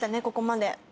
ここまで。